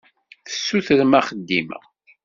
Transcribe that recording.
Tessutrem axeddim-a.